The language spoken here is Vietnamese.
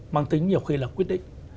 mang tính nhiều khi là quyết định